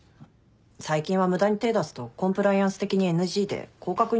最近は無駄に手出すとコンプライアンス的にＮＧで降格になるんだって。